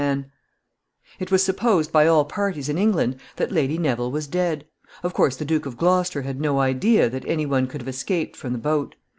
] [Sidenote: Her father.] It was supposed by all parties in England that Lady Neville was dead. Of course the Duke of Gloucester had no idea that any one could have escaped from the boat.